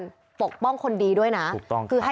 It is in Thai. คุณผู้ชมไปฟังเสียงพร้อมกัน